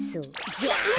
じゃあ。